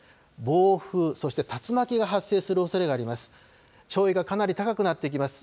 暴風、そして竜巻が発生するおそれがあります。